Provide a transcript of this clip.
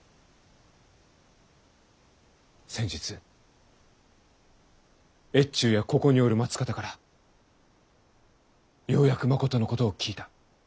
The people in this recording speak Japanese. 先日越中やここにおる松方からようやくまことのことを聞いた。